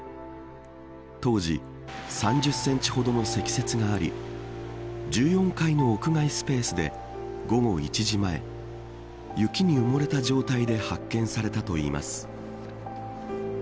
当時３０センチほどの積雪があり１４階の屋外スペースで午後１時前雪に埋もれた状態で発見されたといいます。